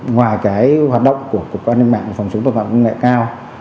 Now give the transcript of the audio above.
ngoài cái hoạt động của cục an ninh mạng và phòng chống tội phạm công nghệ cao